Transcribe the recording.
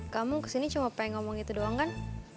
kamu kesini cuma pengen ngomong itu doang kan